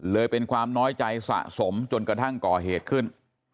เป็นความน้อยใจสะสมจนกระทั่งก่อเหตุขึ้น